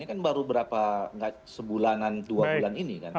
ini kan baru berapa sebulanan dua bulan ini kan